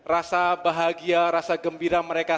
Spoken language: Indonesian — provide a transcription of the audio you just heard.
rasa bahagia rasa gembira mereka